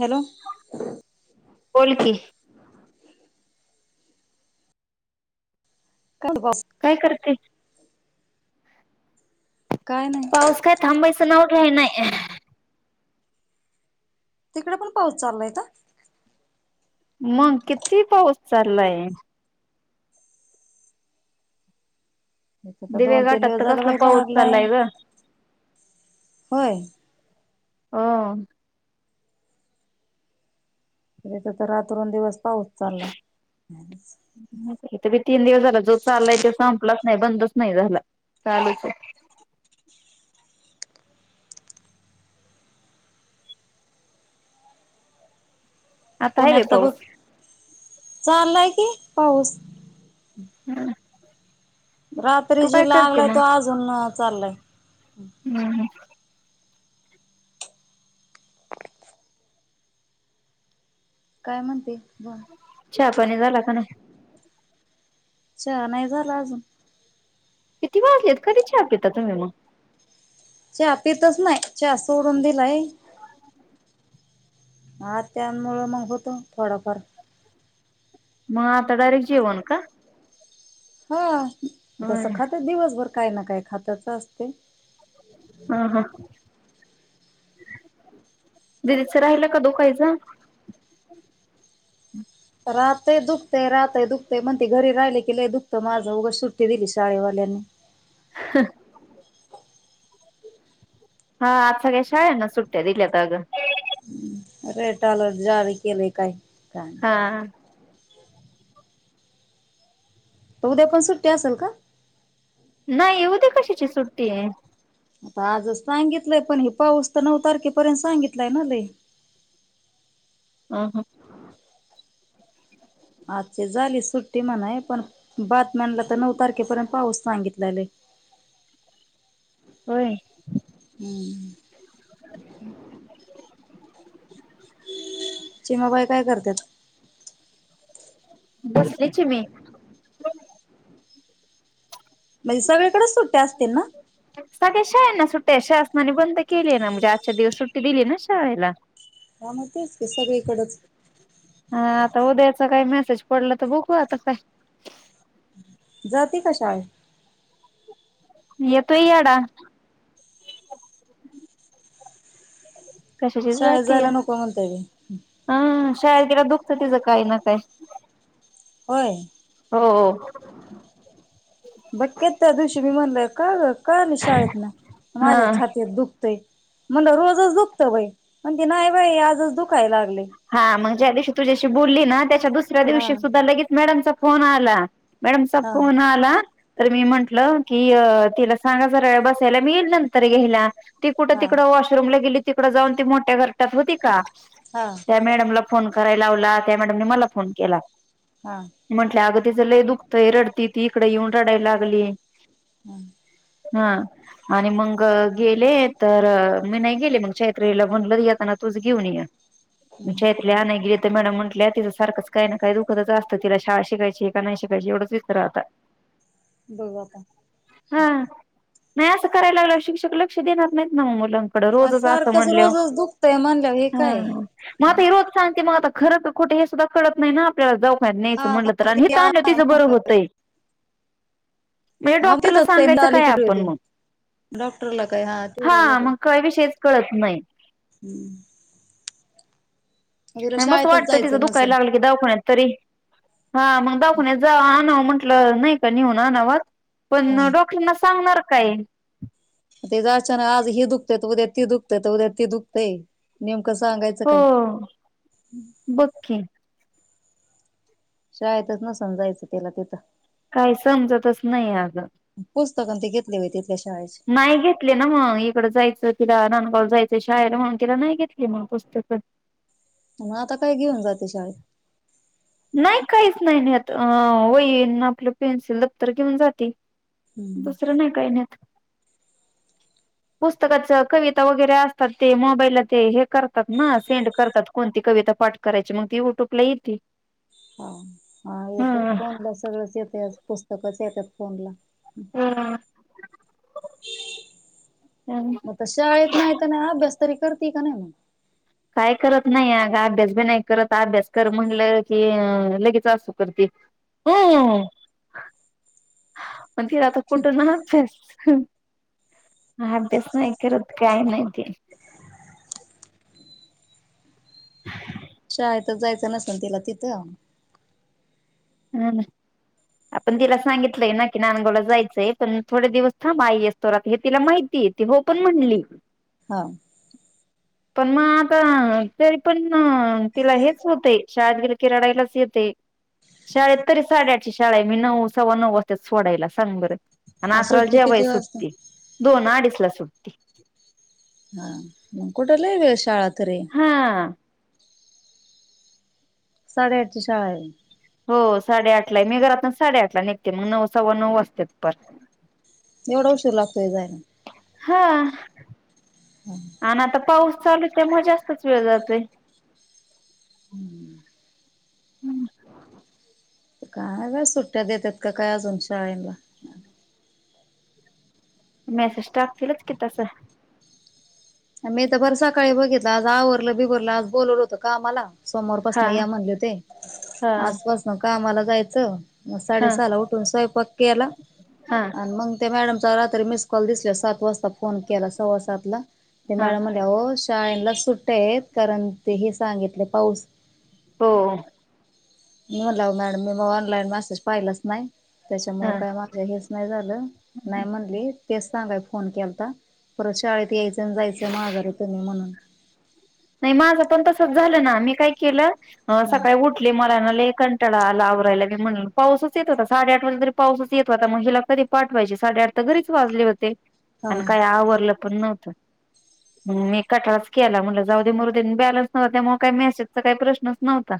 Hello बोल की काय बो? काय करतीस? काय नाय. पाऊस काय थांबायचं नाव घ्यायना तिकडं पण पाऊस चालू हाय का? मग किती पाऊस चाललाय इथ तर दिवे दोन तीन घाटात दिवस तर झाला कसला बाई पाऊस लागलाय चाललाय गं होय अं इथं तर रात्र न दिवस पाऊस चाललाय इथं बी तीन दिवस झालं... जो चाललाय तो संपलाच नाई बंदच नायी झाला... चालूच ए आता आहे पुण्यात बाई तर बघ... पाऊस चाललाय की पाऊस हम्म रात्री जी करते लागलाय... तो अजून चाललाय हुं... हुं. काय म्हणते... बोल चहा पाणी झाला का नाय? चहा नाही झाला अजून किती वाजलेत... कधी चहा पिता तुम्ही मग चहा पितच नाई... चहा सोडून दिलाय हा... त्यामुळे मग होतो... थोडाफार मग आता डायरेक्ट जेवण का? हा... होय तसं खाते दिवसभर काय ना काय खातच असते हा हा... दिदीचं राहिलं का दुखायचं? राहतंय... दुखतेय... राहतय... दुखतय... म्हणती घरी राहिलं की लय दुखतं माझं... उगंच सुट्टी दिली शाळेवाल्यांनी हं. हा... आज सगळ्या शाळ्यांना सुट्या दिल्यात अगं रेड अलर्ट जारी केलेय काय... काय नाही हां. उद्या पण सुट्टी असल का? न्हाई... उद्या कशाची सुट्टी ए? आता आजच सांगितलंय... पण हे पाऊस तर नऊ तारखेपर्यंत सांगितलाय ना लय हा हं आजची झाली सुट्टी म्हणाय.. पण बातम्यांला तर नऊ तारखेपर्यंत पाऊस सांगितलाय लय होय? हम्म. चिमाबाई काय करत्यात? बसलीय चिमी. म्हणजे सगळीकडेच सुट्ट्या असतील ना? सगळ्या शाळेनां सुट्ट्या ए... शासनाने बंद केलीय ना म्हणजे आजच्या दिवस सुट्टी दिली ना शाळेला हा मग तेच की सगळीकडच हा... आता उद्याचं काई मेसेज पडलं तर बगु आता काय जाती का शाळेत? येतोय यडा कशाची शाळेत जातीये, जायला नको म्हणताय हं शाळेत गेल्यावर दुखतं तिचं काही ना काही. होय बघ की त्या दिवशी मी म्हणलं का ग का आली शाळेतनं? हा माझ्या छातीत दुख तंय म्हणलं रोजच दुखतं व्हय, म्हणती नाही बाई आजच दुखायला लागलंय. हा मग ज्या दिवशी तुझ्याशी बोलली ना त्याच्या दुसऱ्या हा दिवशी सुद्धा लगेच मॅडमचा फोन आला. मॅडमचा हा फोन आला. तर मी म्हंटलं की तिला सांगा जरा बसायला मी येईल नंतर घ्यायला ती कुठं हा तिकडं वॉशरूमला गेली तिकडं जाऊन ती मोठ्या घरट्यात होती का? हां त्या मॅडमला फोन कराय लावला त्या मॅडमने मला फोन केला. हां म्हटल्या अगं तिचं लय दुखतंय, रडती ती इकडे येऊन रडायला लागली. हां हां आणि मंग गेले तर मी नाही गेले मग चैत्रालीला म्हणलं येताना तूझ घेऊन ये. [unintelligible] मी आणाय गेले तर मॅडम म्हटल्या, तिचं सारखंच काही ना काही दुखतच असतं तिला शाळा शिकायची का नाही शिकायची एवढंच विचारा आता बघा हां नाही असं करायला लागल्यावर शिक्षक लक्ष देणार नाहीत ना मुला आता म रोजच असं सारखंच म्हनल्यावर रोजच दुखतय म्हणल्यावर हे काय मग आता ही रोज सांगती मग आता खरं का खोटं हे सुद्धा कळत नाही ना दवखान्यात हा न्यायचं म्हणलं तर आणि इथं आणल्यावर तिचं बरं होतंय. म्हणजे डॉक्टरला सांगायचं काय आपण मग [unintelligible] डॉक्टरला काय हा तेवढं बर हे मग काय विषयच कळत नाही तिला नाही मस शाळेतच वाटतं तिचं जायचं दुखाय नसल लागलं की दवखाण्यात तरी हा मग दवखावण्यात जा आणावं म्हंटलं नाही का नेऊन आणावं पण हा डॉक्टरांना सांगणार काय? तिज असं नां आज ही दुखतय उद्या ती दुखतय तर उद्या ती दुखतय नेमकं सांगायं हो बघ की शाळेतच नसन जायचं तिला तिथं काही समजतच नाही आगं पुस्तक अन ते घेतले व्हय तिच्या शाळेत नाही घेतले ना मग इकडं जायचं तिला ननगाव जायचं शाळेला मग तिला नाही घेतली मग पुस्तकं मग आता काय घेऊन जाती शाळेत नाही काहीच नाही नेत अं वही न आपलं पेन्सिल दप्तर घेऊन जाती. हम्म. दुसरं नाही काही नेत [inaudible] पुस्तकाच कविता वगैरे असतात ते मोबाईलला ते हे करतात ना सेंड करतात. कोणती कविता पाठ करायची मग ती युट्यूबला येती. हा येतयं फोनला सगळंच येतय पुस्तकच येतात फोनला. हम्म आता शाळेत नाही त नाय अभ्यास तरी करती का नाही. काय करत नाही अग अभ्यास बी नाही करत अभ्यास कर म्हणलं की लगेच आसू करती. अं हं [inaudible] पण ती आता कुठ ना अभ्यास नाही करत काय नाही ती शाळेतच जायच नसल तिला तिथ. ह आपण तिला सांगितलय ना की, नांदगावला जायचय पण थोडे दिवस थांब आई येस तर आता हे तिला माहितीये ती हो पण म्हणली. ह पण मग आता तरी पण तिला हेच होतय शाळेत गेल की रडायलाच येतय. शाळेत तरी साडेआठची शाळा आहे. मी नऊ सव्वा नऊ वाजत्यात सोडायला सांग बर आणि अकराला सुट्टी जेवाय किती वाजता? सुटती. दोन अडीचला सुटती. हा कुठ लयी दिवस शाळा तरी आहे. हा साडेआठची शाळा आहे. हो साडेआठला आहे. मी घरातनच साडेआठला निघते. मग नऊ सव्वा नऊ वाजत्यात परत. एवढा उशीर लागतोय व्हय जायला. हा [inaudible] आणि आता पाऊस चालू आहे त्यामुळे जास्तच वेळ जातोय. [inaudible] [inaudible] का बाई सुट्ट्या देतात का काय अजून शाळेला. मेसेज टाकतीलच की तस. मी तर पार सकाळी बघितल. आज आवरल बिबरल आज बोलवल होत कामाला. सोमवारपासन हा या म्हणले होते. हा आजपासन कामाला जायच. मग हा साडेसहाला उठून स्वयपाक केला. हा आणि मग ते मॅडमचा रात्री मिस कॉल दिसल्यावर सात वाजता फोन केला. सव्वा सात ते हा मॅडम म्हणल्या हो शाळेला सुट्ट्या येत कारण ते हे सांगितले पाऊस हो मी म्हणल अहो मॅडम मी ऑनलाईन मेसेज पाहिलच नाही. हा. त्याच्यामुळे काय मग हेच नाही झालं नाही म्हणली तेच सांगाय फोन केलता परत शाळेत यायचं जायचं माघारी तुम्ही म्हणून नाही माझ पण तसच झाल ना, मी काय केल हा सकाळी उठ मलाना लयी कंटळा आला आवरायला लगेच. म्हणुन पाऊसच येत होता. साडे आठ वाज तरी पाऊसच येत होता. म हीला कधी पाठवायचे साडेआठ तर घरीच वाजले होते. आणि हा काही आवरल पण नव्हत. मी कटाळाच केला. म्हणल जाऊ दे मुरूदे बॅलन्स नवता. त्यामुळे काही मेसेजचा काही प्रश्नच नव्हता.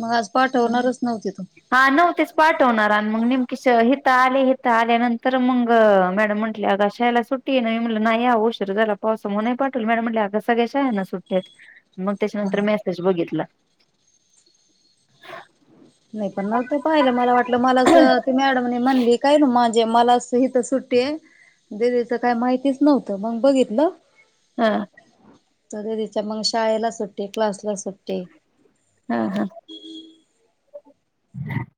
मग आज पाठवणारच नव्हती तू. हा नव्हतीच पाठवणार. आणि मग नेमकीे हित आले हित आल्या नंतर मग मॅडम म्हटल्या अग त्याला सुट्टी आहे ना मी म्हल नाही अहो उशीर झाला पावसामुळे नाही पाठवल. मॅडम म्हटली नाही आग सगळ्या शाळांना सुट्टी तेच मग त्याच्यानंतर हा. मेसेज बघितला. नाही पण नव्हत पाहिल. मला वाटल मला अस ती मॅडमने म्हणली काय ना माझे मला अस हिथ सुट दीली का काय माहितीच नव्हत. मग बघितल हा त तिच्या मग शाळेला सुट्टी. क्लासला सुट्टी. हा हा [inaudible]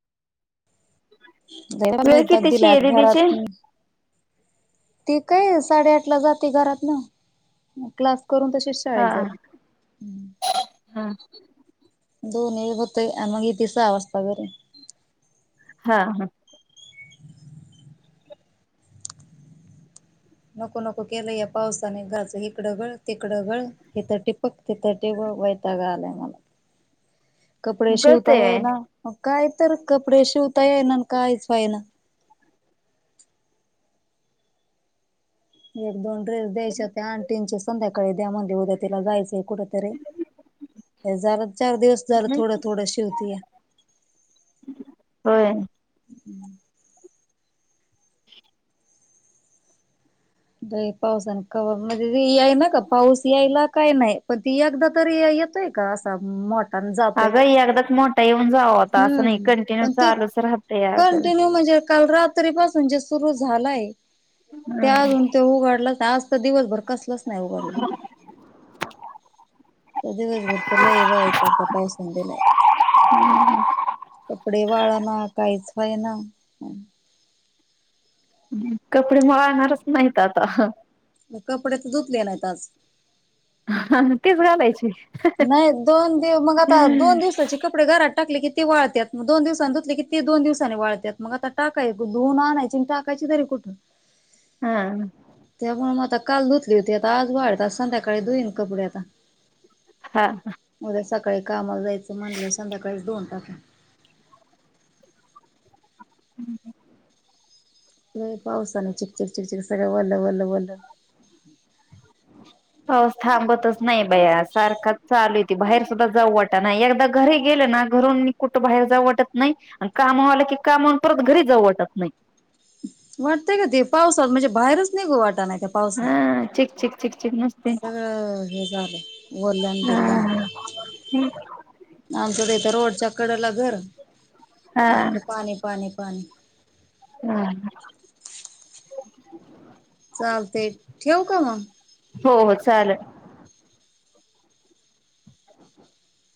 वेळ वैताग कितीची दिलाय आहे दीदीची घरातनी ती काय साडे आठला जाती घरातन म क्लास करून तशी हा शाळेत जा हा दोन्ही हुतय आण मग येती सहा वाजता घरी. हा हा. नको नको केलंय पावसाने घरच इिकडं गळ तिकडं गळ हित टिपक तिथं टिपक वयताग आलाय मला. कपडे शिवता कळतय येयना काय तर कपडे शिवता ये ना कायच होईना. एक दोन ड्रेस द्यायच्या होते आणटींचे संध्याकाळी द्या म्हणले उद्या तिला जायचं कुठतरी जरा चार दिवस झालं थोडं थोडं शिवतिया. होय. हम्म. पावसाने कव मध्ये यायना का पाऊस यायला काय नाही. पण ती एकदा तरी येतोय का असा मो अगं अगदाच मोठा येऊन जाव होता असं नाही हम्म कंटिन्यू पण ती चालूच राहतय अगं. कंटिन्यू म्हणजे काल रात तरी पासून जे सुरू झालाय त्या हम्म अजून ते उघडला आज तर दिवसभर कसला नाही उघडला. दिवसभर तर लय वैताग त्या पावसानं दिलाय. कपडे वाळना काहीच व्हयना कपडे मळणारच नाहीत आता. मग कपडे तर धुतले नाहीत आज. हा तेच घालायचे. नाही दोन दिव मग आता दोन दिवसाचे कपडे घरात टाकले कि ते वाळत्यात मग दोन दिवसानी धुतले की ते दोन दिवसांनी वाळतात मग आता टाकाय धून आणायची आणि टाकायची तरी कुठून? हा. त्यामुळे मग आता काल धुतली होती आता आज वाढतात संध्याकाळी धुईन कपडे आता. हा-हा. उद्या सकाळी कामाला जायचं म्हणलं संध्याकाळीच दोन टाकी [inaudible] लय पावसान चिकचिक चिकचिक सगळ वल वल वल. पाऊस थांबतच नाही बाया सारखा चालू य त बाहेर सुद्धा जाऊ वाटा ना एकदा घरी गेले ना घरून मी कुठं बाहेर जाऊ वाटत नाही आणि काम वर की कामन परत घरी जाऊ वाटत नाही. वाटतय का ते पावसात म्हणजे बाहेरच निघू वाट नाही त्या पावसान हा चिक चिक चिक चिक नसते सगळं हे झालं बोलन हा बिल्लन [inaudible] आमच तेथ रोडच्या कडला घर हा अख्खं पाणी पाणी पाणी [unintelligible] चालतय ठेऊ का मग? हो हो चालेल. [inaudible]